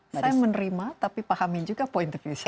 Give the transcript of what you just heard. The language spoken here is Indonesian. saya menerima tapi pahamin juga point of view saya